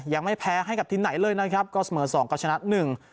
ยังไม่แพ้ให้กับทีมไหนเลยนะครับก็เสมอสองก็ชนะหนึ่ง